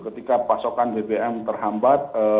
ketika pasokan bbm terhampat